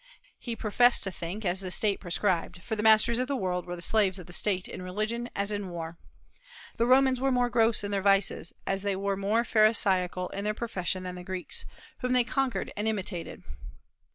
He professed to think as the State prescribed, for the masters of the world were the slaves of the State in religion as in war. The Romans were more gross in their vices as they were more pharisaical in their profession than the Greeks, whom they conquered and imitated.